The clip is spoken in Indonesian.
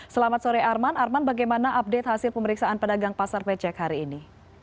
selamat sore arman arman bagaimana update hasil pemeriksaan pedagang pasar becek hari ini